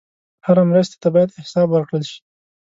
هره مرستې ته باید حساب ورکړل شي.